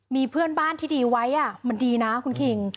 มีเพื่อนบ้านที่ดีไว้มันดีนะคุณคิง